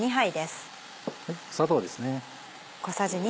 砂糖ですね。